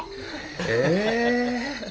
へえ！